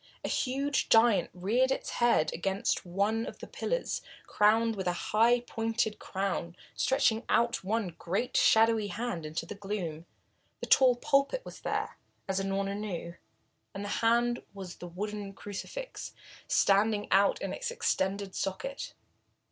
A huge giant reared his height against one of the pillars, crowned with a high, pointed crown, stretching out one great shadowy hand into the gloom the tall pulpit was there, as Unorna knew, and the hand was the wooden crucifix standing out in its extended socket.